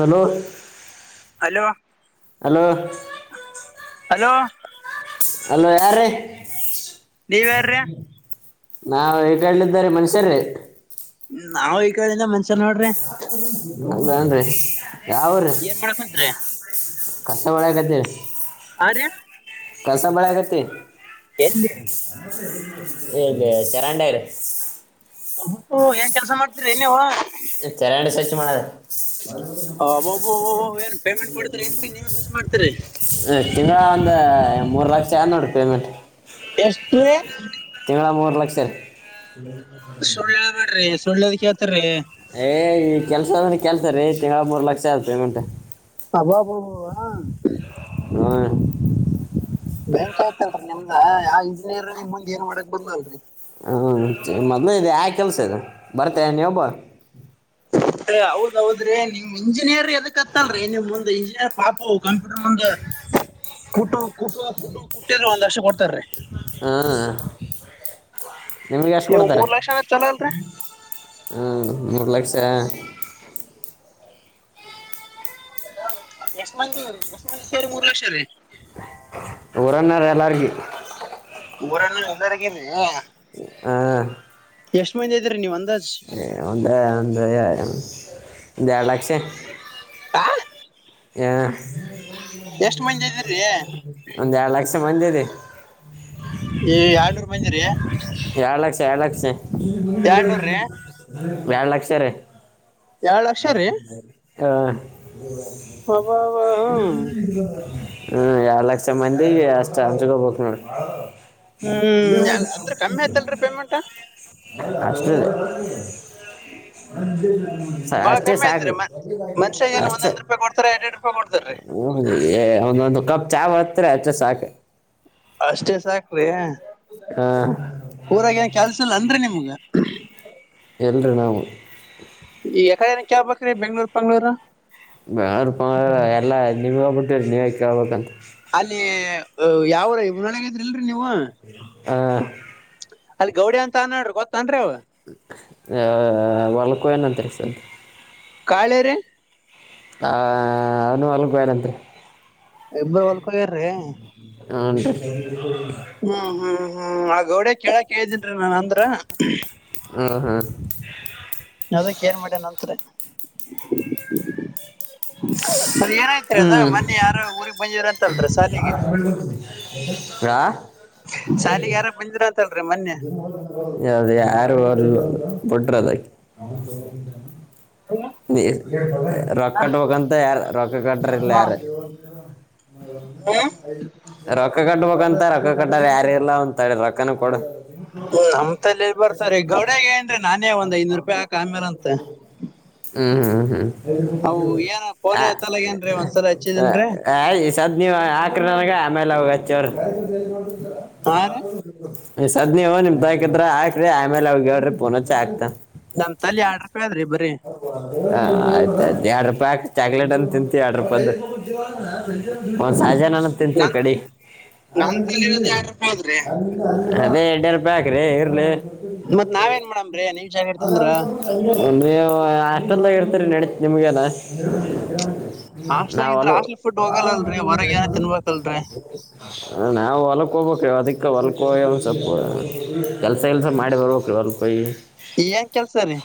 Hello hello hello hello hello ಯಾರ್ರೀ ನೀವ್ಯಾರ್ರೀ ನಾವ ಏಕಡಿಲಿದ್ದ ಮನುಷ್ಯರೀ ನಾವು ಈ ಕಡಿಂದ ಮನು ಹೌದನ ರೀ ಅಂದ್ರೆ ಏನ್ ಮಾಡಕುಂತಿರಿ ಕಸ ಹೊಡಕತ್ತವಿ ಹಾ ರೀ ಕಸ ಬಳೆಕತಿವಿ ಈಗ ಚರಂಡಿಗ ರೀ ಏನ್ ಕೆಲ್ಸ ಮಾಡ್ತೀರಿ ನೀವು ಚೆರಂಡಿ ಸ್ವಚ್ಛ ಮಾಡದ ಅಬ್ಬಬ್ಬಬ್ಬಬ್ಬೊ ಏನ್ ಪೇಮೆಂಟ್ ಕೊಡ್ತೀರಿ ಏನ್ರಿ ನೀವ್ ಸ್ವಚ್ ಮಾಡ್ತೀರಿ ತಿಂಗಳ ಒಂದು ಮೂರು ನಾಕ್ ಲಕ್ಷ ಯ ನೋಡಿರಿ ಪೇಮೆಂಟ್ ಎಷ್ಟ ರೀ ತಿಂಗಳ ಮೂರ್ ಲಕ್ಷ ರೀ ಸುಳ್ಳು ಹೇಳ್ಬೇಡ್ರಿ ಸುಳ್ಳದ್ ಕೇಳ್ತಾರ್ರಿ ಕೆಲ್ಸ ಅಂದ್ರೆ ಕೆಲ್ಸ ರೀ ತಿಂಗಳ ಮೂರ್ ಲಕ್ಷ ಅದ ಪೇಮೆಂಟ್ ಅಬಬಬಾ ಹಾ ಬ್ಯಾಂಕ್ ಆಯ್ತಲ್ರಿ ನಿಮ್ದ ಆ ಇಂಜಿನಿಯರ್ ನಿಮ ಮುಂದ್ ಏನ್ ಮಾಡಕ್ ಬಂದಲ್ರರಿ ಹಾ ಮೊದ್ಲು ಇದೆ ಯಾ ಕೆಲ್ಸ ಇದು ಬರ್ತಾ ಎ ನೀ ಒಬ್ಬವ ಅ ಹೌದ್ ಹೌದ್ರೀ ನಿಮ್ ಇಂಜಿನಿಯರ್ ಎದಕ್ತ್ತಲ್ರರಿ ನಿಮ್ ಮುಂದೆ ಇಂಜಿನಿಯರ್ ಪಾಪು ಕಂಪ್ಯೂಟರ್ ನಂದ ಕೊಟ್ಟು ಕುಟ ಕುಟ ಕುಟ್ಟಿದ್ರು ಒಂದ್ ವರ್ಷಕ್ ಕೊಡ್ತಾರ್ರೀ ಹ್ಞೂ ನಿಮ್ಗೆ ಎಷ್ಟು ಕೊಡ್ತಾರೆ ಮೂರ್ ಲಕ್ಷ ಅಂದ್ರ ಚಲೋ ಅಲ್ರಿ ಹ್ಮ ಮೂರ ಲಕ್ಷ ಎಷ್ಟ ಮಂದಿ ಎಷ್ಟ ಮಂದಿ ಸೇರಿ ಮೂರು ಲಕ್ಷ ರೀ ಊರನಾರ ಎಲ್ಲಾರ್ಗ ಊರನ್ನರ ಎಲ್ಲರಿಗ ರೀ ಹ ಎಷ್ಟ್ ಮಂದಿ ಅದಿರಿ ನೀವ ಒಂದು ಏ ಒಂದು ಒಂದು ಎಡ ಲಕ್ಷ ಹ ಹ ಮಂದಿ ಇದಿರಿ ಒಂದ ಎರಡು ಲಕ್ಷ ಸಮಮಂಧಿದೆ ಯಡ್ನೂರ್ ಮಂದಿರಿ ಎರಡ್ ಲಕ್ಷ ಎರಡ್ ಲಕ್ಷ ಎರಡ್ನೂರ್ ರೀ ಎರಡ್ ಲಕ್ಷ ರೀ ಎರಡ್ ಲಕ್ಷ ರೀ ಹಾ ಅಬ್ಬಬ್ಬಾ, [unintelligible] ಹ್ಮ್. ಹ್ಮ್ ಎಡ ಲಕ್ಷ ಮಂದಿಗೆ ಅಷ್ಟ ಅಂಚಗೋಬೇಕ್ ನೋಡಿ ಹ್ಮ್ ಎಲ್- ಅಂದ್ರ ಕಮ್ಮಿ ಆಯ್ತಲ್ರಿ ಪೇಮೆಂಟ್ [unintelligible] ಅಷ್ಟ ಹದು ಬಾಳ ಅಷ್ಟೇ ಕಮ್ಮಿ ಸಾಕ್ ಐತ್ರಿ ರೀ ಮ ಮನುಷ್ಯಾಗ ಏನ್ ಅಷ್ಟೇ ಒಂದೊಂದ್ ರೂಪಾಯಿ ಕೊಡ್ತಾರ ಎರಡ್ ಎರಡ್ ರೂಪಾಯಿ ಕೊಡ್ತಾರ್ರಿ ಹ ಒಂದೊಂದು ಕಪ್ ಚಾ ಹತ್ರಿ ಅಷ್ಟೇ ಸಾಕು ಅಷ್ಟೇ ಸಾಕ್ ರೀ ಹಾಂ ಊರಾಗ ಏನ್ ಕೆಲ್ಸಲ್ಲ ಅನ್ರಿ ನಿಮ್ ಗ ಇಲ್ರಿ ನಾವು ಏಕಡನೆ ಕೇಳ ಬಕ್ರೀ ಬೆಂಗ್ಳೂರ್ ಪಂಗ್ಳೂರು ಬೆಂಗಳೂರ್ ಪಂಗಳೂರ್ ಎಲ್ಲಾ ನಿಮಗ ಬುಟ್ಟವರಿ ನೀವೆ ಕೇಳಬಕಂತ ಅಲ್ಲಿ ಯಾವ ಊರ ಉನಳಿಗ ಇದ್ರಲ್ರರಿ ನೀವು ಹ ಅಲ್ಲಿ ಗೌಡೆ ಅಂತ ಆನೋಡ್ರಿ ಗೊತ್ತ ಅನರಿ ಅವ ಏ ಹೊಲಕೋಗ್ಯನಂತ್ರಿ ಈ ಸದ್ದ ಕಾಳಿ ರಿ ಆ ಅವನು ಹೊಲಕೋಗ್ಯನಂತ್ರಿ ಇಬ್ಬರು ಹೊಲಕೋಗಾರ್ರಿ ಹ ನ ರೀ ಹ್ಮ್ ಹ್ಮ್ ಹ್ಮ್ ಆ ಗೌಡೆಗ ಕೇಳಾಕ್ ಹೇಳದನ್ರಿ ನಾ ಅಂದ್ರ ಹ್ಮ್ ಹ್ಮ್ ಅದಕ್ಕ ಏನ್ ಮಾಡ್ಯನಂತರಿ ಹ್ಮ್ ಬಂದಿದ್ರಂತಲ್ರಿ ಸಾಲಿಗೆ ಹಾ ಸಾಲಿಗೆ ಯಾರ ಬಂದಿರಂತಲ್ರಿ ಮೊನ್ನೆ ಯದು ಯಾರು ಅವ ಬುಟ್ಟರದ ನೀ ರೊಕ್ಕ ಕಟ್ಟಬೇಕಂತ ಯಾರ ರೊಕ್ಕ ಕಟ್ಟ್ರ ಇಲ್ಲ ಯಾರು ಹ್ಮ್ ರಕ ಕಟ್ಟಬಕ ಕಂತ ರೊಕ್ಕ ಕಟ್ಟ ಯ್ಯಾರಿಲ್ಲಾ ಅಂತ ರೊಕ್ಕನ ಕೊಡ ನಮತ್ಲಿ ಎಲ್ಲ ಬರ್ತಾವರಿ ಗೌಡಗೆ ಹೇಳಿನ್ರಿ ನಾನೇ ಒಂದ್ ಐದನೂರು ರೂಪಾಯಿ ಹಾಕ್ ಆಮೇಲ್ಂತ ಹ್ಮ್ ಹ್ಮ್ ಹ್ಮ್ ಹ್ಮ್ ಏನ ಫೋನ್ ಎತ್ತಲ್ಲ ಏನ್ರಿ ಒಂದ್ಸಲ ಹಚ್ಚಿದನ್ರಿ ಹ ಈ ಸದ ನೀವ ಆಕ್ರಿ ನನಗ ಆಮೇಲ ಅವಗ ಹಚ್ಚಿ ಹೇಳ್ರಿ ಹಾ ರೀ ಈ ಸದ್ ನೀವು ನಿಮ್ಮ ತಾಕಿದ್ರ ಹಾಕರಿ ಆಮೇಲ ಅವಗ ಹೇಳಿರಿ ಫೋನಚ್ಚಿ ಹಾಕ್ತನ ನಮ್ಮ ತಲ್ಲಿ ಆಡ್ರ ಹ ಆಯ್ತ ಆಯ್ತ ಎರಡ್ ರೂಪಾಯಿ ಹಾಕ್ ಚಾಕ್ಲೇಟನ ತಿಂತೀವಿ ಎರಡ ರೂಪಾಯದ ಒಂದ್ ಸಹಜನನ ತಿಂತೀವಿ ನನ್ ಕಡಿ ನನ್ ತಲಿ ಇರೋದ್ ಎರಡ್ ರೂಪಾಯಿ ಆದ್ರಿ ಅದೇ ಎಡ್ಡೆ ರೊಪಾಯ ಹಾಕ್ರಿ ಇರ್ಲಿ ಮತ್ ನಾವೇನ್ ಮಾಡಮ್ರಿ ನೀವ್ ಜಾಗ ಇರ್ತಂದ್ರ ಹಾಷ್ಟಲ್ದಾಗ ಇರ್ತರಿ ನಡಿತ್ ನಿಮ್ಮಗೇನ ನಾವ ಹಾಸ್ಟೆಲ್ ಇದ್ರ ಹೊಲು ಹಾಸ್ಟೆಲ್ ಫುಡ್ ಹೋಗಲ್ಲಲ್ರಿ ಹೊರಗ್ ಏನ ತಿನ್ಬೇಕಲ್ರಿ ಹ ನಾವು ಹೊಲ್ಕ್ ಹೋಗ್ಬೇಕ ಅದಿಕ ಹೊಲ್ಕ್ ಹೋಗಿ ಸ್ವಲ್ಪ ಕೆಲ್ಸಗ ಗಿಲ್ಸ ಮಾಡಿ ಬರ್ಬೇಕ ಸೌ ರೂಪಾಯಿ ಏನ್ ಕೆಲ್ಸ ರೀ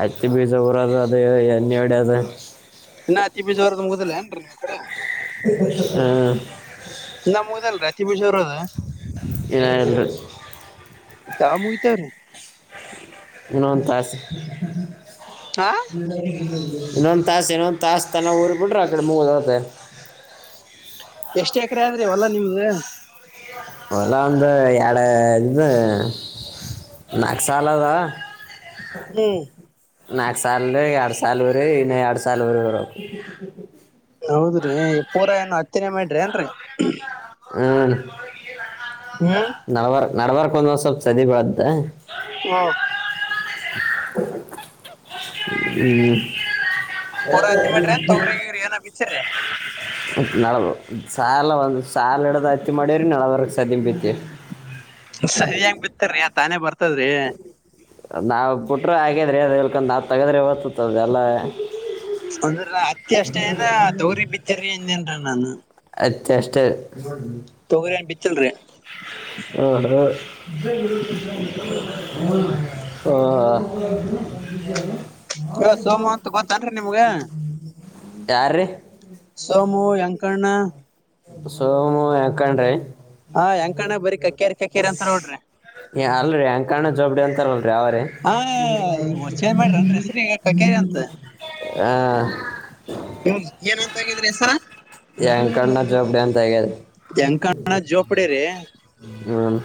ಹತ್ತಿ ಬೀಜ ಉರದು ಅದು ಎಣ್ಣಿ ಒಡೆದು ಇನ್ನ ಅತಿ ಬೀಜ್ ಉರದ ಮುಗದಿಲ್ಲ ಏನ್ರೀ ನಿಮ್ ಕಡೆ ಹ್ಮ್ ಹತ್ತಿ ಬೀಜ ಅವರದ ಇನ್ನ ಇಲ್ಲರಿ ಯವಗ ಮುಗಿತ್ತವರಿ ಇನ್ನೊಂದ ತಾಸ ಹಾ ಇನ್ನೊಂದ್ ತಾಸ ಇನ್ನೊಂದ ತಾಸ ತನಾ ಉರಿ ಬಿಟ್ರ ಆಕಡಿ ಮೂಗದ ಹೊತದೆನ ಎಷ್ಟ್ ಎಕರೆ ಆದ್ರಿ ಹೊಲ್ಲಾ ನಿಮ್ದ ಹೊಲ್ಲಾ ಒಂದ ಯಾಡ ಇದ ನಾಕ ಸಾಲಾದ ಹ್ಮ್ ನಾಕ ಸಾಲದಗ ಎರಡ ಸಾಲ ಉರಿವ ಇನ್ನ ಎರಡ ಸಾಲ ಉರಿಬರಬೇಕ ಹೌದ್ರಿ ಪೂರಾ ಏನ ಹತ್ತಿನೆ ಮಾಡ್ರಿ ಏನ್ರರಿ ಹ್ಮ ಹ್ಮ್ ನಡಬಾರ ನಡಬಾರಕ್ ಒಂದ್ ವ ಸ್ವಲ್ಪ ಸದಬ್ದ ಹಾ ಹ್ಮ ಪೂರಾತಿರ ಅಂತ ತಗ್ರಿಗ್ರ ಏ ಬಿಚ್ಚಿರಿ ನಾ ಸಾಲ ಒಂದು ಸಾಲ ಇಡ್ದ ಹತ್ತಿ ಮಾಡೇವ್ರಿ ನಾಳವರ್ ಸ ತಿತಿ ಸರಿಯಂಗ ಬಿತ್ತಾರರಿ ತಾನೇ ಬರ್ತದ್ರಿ ನಾವು ಬಿಟ್ಟರು ಹಾಗಗ್ಯಿದ್ರೆ ಅದು ಹಳ್ಕೊಂಡು ನಾವು ತೆಗದ್ರೆ ವಸ್ತುತದೆ ಎಲ್ಲ ಅಂದ್ರ ಅತ್ತ ಅಷ್ಟೇ ಏನ ತವರಿ ಬಿದ್ದರೀ ಇನ್ನ್ರ ನಾನು ಅತ್ಯಷ್ಟ ತೊಗರಿ ಏನ್ ಬಿತ್ತಿಲ್ರಿ ಹ ಹ ಹ್ಮ್ ಹ್ಮ ಹ್ಮ್ ಹ [inaudible] ಹ ಸೋಮು ಅಂತ ಗೊತ್ತನ್ರಿ ನಿಮ್ಗ ಯಾರ್ರೀ ಸೋಮು ಯಂಕಣಣ ಸೋಮ ಯಂಕಣ್ಣರಿ ಹಾ ಯಂಕಣ್ಣ ಬರಿ ಕಕ್ಕೇರಿ ಕಕ್ಕೇರಿ ಅಂತ ನೋಡ್ರಿ ಏ ಅಲ್ರರಿ ಯಂಕಣ್ಣ ಜೋಬಡಿ ಅಂತಾರಲ್ರರಿ ಅವ್ರ ಹಾ ಇವ್ ಚೇಂಜ್ ಮಾಡ್ರನ್ರಿ ಹೆಸರು ಈಗ ಕಕೇರಿ ಹ ಹ ಏನಂತಗಿದ್ರಿ ಹೆಸರ [unintelligible] ಅಂತ ಆಗಿದೆ ಯಂಕಣ್ಣ [unintelligible] ಹ್ಮ್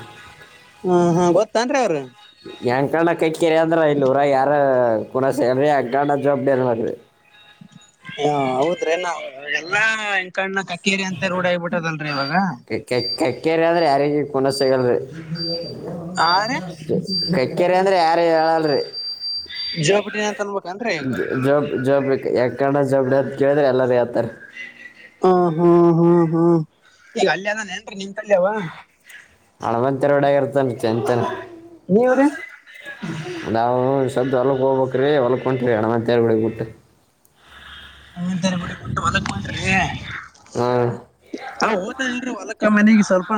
ಹಾ ಹಾ ಗೊತ್ತನ್ರಿ ಅವ್ರರು ಯಂಕಣ ಕಕ್ಕೇರಿ ಅಂದ್ರ ಇಲ್ಲಿ ಊರಾಗ ಯಾರೋ [unintelligible] ಹ ಹೌದ್ರೆ ನಾವ ಎಲ್ಲಾ ಯಂಕಣ್ಣ ಕಕೇರಿ ಅಂತ ರೂಢ ಆಗ್ಬಿಟ್ಟದಲ್ರಿ ಇವಾಗ ಕಕ್ಕೇರೆ ಅ ಆದ್ರೆ ಯಾರಿಗೆನ ಗಲ್ರಿ ಆ ರೀ ಕಕ್ಕೆೇರಿ ಅಂದ್ರೆ ಯಾರ ಹೇಳಲ್ರಿ ಜೋಪಡಿನ ಅಂತ ಅನ್ಬೇಕನ್ರಿ ಈಗ [unintelligible] ಕೇಳಿದ್ರೆ ಎಲ್ಲಾರ ಹೇಳ್ತಾರೆ ಹ್ಮ್ ಹ್ಮ್ ಹ್ಮ್ ಹ್ಮ್ ಈಗ ಅಲ್ಲಿಯ ಅದನ್ ನ್ರಿ ನಿಮ್ಮಲ್ಲಿ ಅವ ಹಣವಂತರ ಒಡಗ ಇರ್ತನ್ ಚಂತಾನ ನೀವು ರೀ ನಾವು ಸದ್ದ ಹೊಲ್ಕ್ ಹೋಗ್ಬೇಕ್ರೀ ಹೊಲ್ ಹೊಂಟ್ರೀ ಅಣಮಂತರ್ಗಳಗ್ಬಿಟ್ಟು ಹಂಗಂತಾರೆ ಬಿಡಿ ಕೊಟ್ಟು ಹೊಲಕ್ ಮಾಡ್ರಿ ಹ್ಞೂ ಹಾ ಹೋತಾ ಇಲ್ರರಿ ಹೊಲಕ್ಕ ಮನೆಗೆ ಸ್ವಲ್ಪ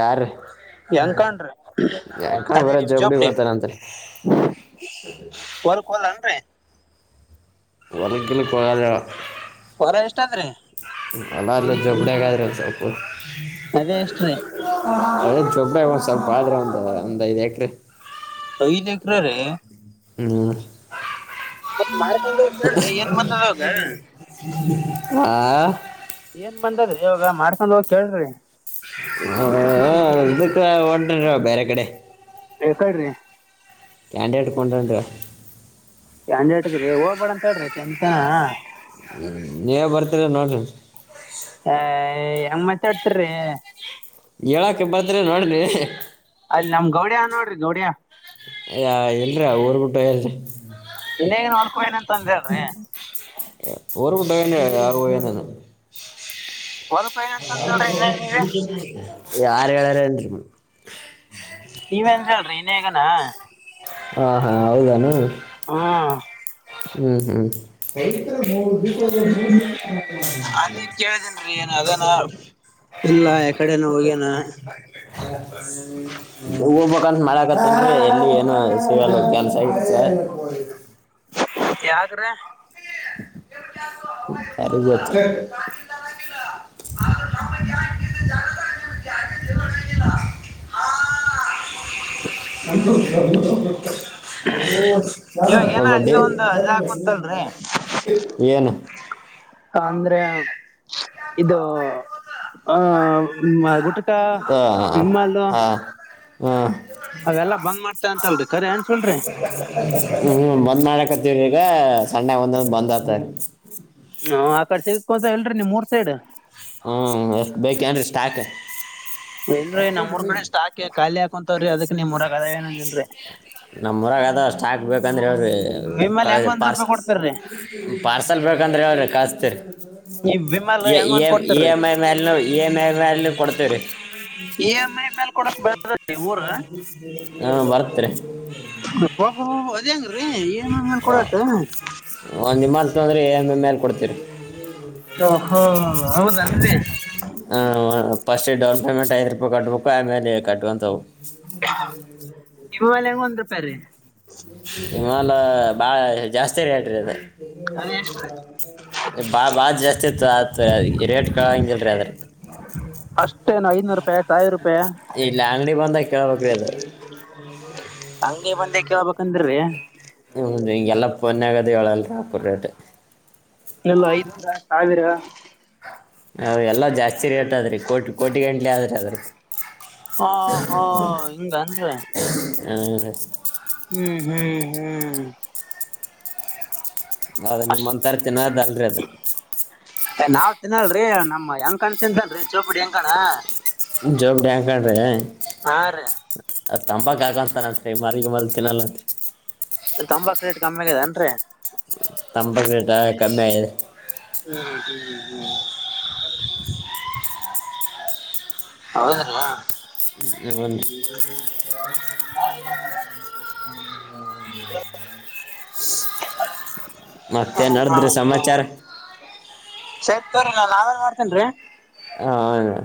ಯಾರ ಯಂಕಣ್ರಿ ಯಕ ಅದೇ ಬರ ಜಬಡಿ ಬತಾರ ಅಂತರಿ ಹೊಲ್ಕ್ ಹೋಗಲೇಂರಿ ವಾಲಕ ಗಿಲಕ್ ಹೋಗಲ್ಲ ಅವ ವಲ ಎಷ್ಟ ಅದ್ರೀ ಅಲ್ಲ ಅಲ್ಲೇ ಜಬಡಿಯಗಾದ್ರ ಅ ಅದೇ ಎಷ್ಟ್ರಿ [unintelligible] ಅದ ಚೊಬ್ರ ಒಂದ್ ಸ್ವಲ್ಪ ಆದ್ರೆ ಒಂದ್ ಒಂದ್ ಐದ್ ಎಕ್ರೆ ಐದು ಎಕರೆ ರಿ ಹ್ಮ್ ಮಾಡ್ಕೊಂಡ್ ಹೋಗಿ ಕೇಳ್ರಿ ಏನ್ ಬಂದದವಾಗ ಆ ಏನ್ ಬಂದದ್ರಿ ಇವಾಗ ಮಾಡ್ಕೊಂಡ್ ಹೋಗಿ ಕೇಳ್ರಿ ಹ ಯುದ್ಧಕ್ಕೆ ಹೊಂಟಾನ ಬ್ಯಾರೆ ಕಡೆ ಯಾಕ್ಕಡ್ರಿ ಕ್ಯಾಂಡಿ ಎಡುಕೊಂಡೊಂಡ [unintelligible] ಹೋಗ್ಬೇಡ ಅಂತ ಹೇಳ್ರಿ [unintelligible] ನೀವೆ ಬರ್ತಿರ ನೋಡ್ರಿ ಹ ಹೆಂಗ್ ಮಾತಾಡ್ತರಿ ಹೇಳಕ್ಕ್ ಬದ್ರೆ [unintelligible] ಅಲ್ ನಮ್ ಗೌಡ್ಯ ನೋಡ್ರಿ ಗೌಡ್ಯ ಅ ಇಲ್ರ ಊರ್ಬಿಟ್ಟ್ [unintelligible] [unintelligible] ಅಂದ ಹೇಳ್ರಿ [unintelligible] ಹೊಲಕ್ ಹೋಗ್ಯಾನ ಅಂತ ಅಂದ್ರಿ ಹೇಳ್ರಿ ಇನ್ಯಾಗ ನೀವೇ [unintelligible] ಯಾರ್ ಹೇಳಾರ [unintelligible] [unintelligible] ಹೇಗನ ಹಾ ಹಾ ಹೌದೆನು ಹ್ಮ್ ಹ್ಮ್ ಹ್ಮ್ [unintelligible] [unintelligible] [unintelligible] [unintelligible] ಅದೇ ಕೇಳಿದೇನ್ರಿ ಏನ್ ಅದನ ಇಲ್ಲ ಯಕಡೆನ ಹೋಗ್ಯನ ಎಲ್ಲಿ ಏನು ಸಿಗಲ್ಲ ಕೆಲ್ಸ ಗಿಲ್ಸ [unintelligible] ಯಾಗ್ರ [unintelligible] [inaudible] [unintelligible] ಇವಾಗ ಏನ ಅದ ಒಂದ್ ಅದ ಹಾಕುಂತಲ್ರಿ [unintelligible] [unintelligible] ಏನ್ ಅಂದ್ರೆ ಇದು ಆ [unintelligible] ಹಾ ಇಮಾಲ್ ಹಾ ಹ್ಮ್ ಅವೆಲ್ಲಾ ಬಂದ್ ಮಾಡ್ತೇವ ಅಂತಲ್ರಿ ಕರೆ ಏನ್ ಸುಳ್ರಿ [unintelligible] ಹ್ಮ್ ಬಂದ್ [unintelligible] ಈಗ ಸಣ್ಡೆ ಒಂದೆ ಒಂದ್ ಬಂದ್ [unintelligible] ಕೋದ ಎಲ್ರಿ ನಿಮ್ಮೂರ್ ಸೈಡ್ ಹೂ ಎಷ್ಟ್ ಬೇಕ್ ಏನ್ರಿ ಸ್ಟಾಕ್ ಇಲ್ರೀ ನಮ್ಮುರ್ ಕಡೆ ಷ್ಟಕ್ ಖಾಲಿ ಹಾಕುಂತವ್ರೀ ಅದಕ್ ನಿಮ್ಮುರಗ ಅದ ಏನಂದೇನ್ರರಿ ನಮ್ಮುರಾಗ್ ಅದ ಷ್ಟಕ್ ಬೇಕಂದ್ರ್ ವಿಮಲ್ [unintelligible] ಹೆಂಗ್ [unintelligible] ಒಂದ್ ರೂಪಾಯಿ ಕೊಡ್ತಾರ್ರಿ ಪಾರ್ಸಲ್ ಬೇಕಂದ್ರೆ ಹೇಳ್ರಿ ಕಳಿಸ್ತೀರಿ ಈ ವಿಮಲ್ [unintelligible] ಹೆಂಗ್ ಇ ಒಂದ್ ಕೊಡ್ತಾರ್ರಿ ಎಂ ಐ ಮೇಲ್ನು ಇ ಎಂಐ ಮೇಲ್ನು ಕೊಡ್ತಿವ್ರಿ ಇ ಎಮ್ ಐ ಮೇಲ್ ಕೊಡಕ್ ಬೇಡ್ರಿ ಊರ್ ಹಾ [unintelligible] [unintelligible] ಅದೆಂಗ್ರೀ ಇ ಎಂ ಐ ಮೆಲ್ ಕೊಡಟ [unintelligible] ಮೇಲ್ ಕೊಡ್ತೀರಿ ಓಹೋ ಹೌದನ್ರಿ ಹ ಫಸ್ಟ್ ಡೌನ್ ಪೇಮೆಂಟ್ ಐದು ರೂಪಾಯಿ ಕಟ್ಬೇಕು ಆಮೇಲೆ ಕಟ್ಕೊಂತ ವಿಮಲ್ ಹೆಂಗ್ ಒಂದ್ [unintelligible] [inaudible] ರೂಪಾಯಿ ರೀ ಇಮಾಲ ಬಾಳ ಜಾಸ್ತಿ ರೇಟ್ರಿ ಅದ ಅದ್ ಎಷ್ಟ್ರಿ ಬಾ ಬಾಳ್ ಜಾಸ್ತಿ [unintelligible] ರೇಟ್ ಕೆಳಂಗಿಲ್ರಿ ಅದು [inaudible] ಅಷ್ಟೇ [unintelligible] ಇಲ್ಲಿ ಅಂಗಡಿ ಬಂದಗ್ ಕೇಳ್ಬೇಕ್ರಿ ಅದು ಅಂಗಡಿ ಬಂದೆ ಕೇಳ್ಬೇಕಂದ್ರಿ [unintelligible] ಹಿಂಗೆಲ್ಲ ಪನ್ [unintelligible] ಹೆಳಂತ [unintelligible] ಎಲ್ಲ ಐದ್ ಸಾವಿರ ಹ ಎಲ್ಲ ಜಾಸ್ತಿ ರೇಟ್ ಅದ ರೀ ಕೋಟಿ ಕೋಟಿ ಗಂಟಲಿ ಆದ್ರೀ [unintelligible] ಹಾ ಹಾ ಹಿಂಗನ್ರಿ ಹ [unintelligible] ಹ್ಮ್ ಹ್ಮ್ ಹ್ಮ್ ಹೌದ ನಿಮ್ಮ ಅಂತಾರ್ ತಿಂನಾದ್ ಅಲ್ರಿ ಅದು ಇಏನಲ್ೀ ನಮ್ಮ್ ಹೆಂಗ ಕಣ್ ತಿನ್ಂತನ್ರರಿ ಚೌಪುಡಿ ಹೆಂಗ ಕಣ ಜವಾಬ ಕಡ್ರಿ ಹಾ ರೀ ತಂಬ ಆಗಂತತಾನಂತೆ ಈ ಮರಿಗ ಮ ತಿನ್ನಲ್ಲಂತೆ ತಂಬಾಕ ರೇಟ್ ಕಮ್ಮಿ ಆಗದೇನ್ರರಿ ತಂಬತ್ತು ರಟ ಕಮ್ಮಿ ಆಯಿದೆ ಹ್ಮ್ ಹ್ಮ್ ಹ್ಮ್ ಹೌದ್ರ ಹ ಹ ಮತ್ತೆ ಹಾ ನಡೆದ್ರಿ ಹಾ ಸಮಾಚಾರ ಸ ರಿ ನ ನಾವೇನ್ ಮಾಡ್ತೇನ್ರೀ ಹ ಆ